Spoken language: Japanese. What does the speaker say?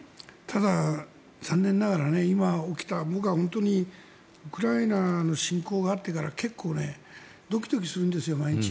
ただ、残念ながら僕はウクライナの侵攻があってから結構ドキドキするんです、毎日。